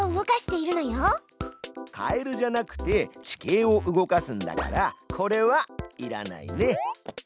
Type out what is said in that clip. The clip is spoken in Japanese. カエルじゃなくて地形を動かすんだからこれはいらないね。